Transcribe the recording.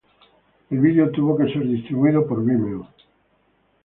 El video tuvo que ser distribuido por Vimeo.